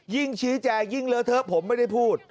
ชี้แจงยิ่งเลอะเทอะผมไม่ได้พูด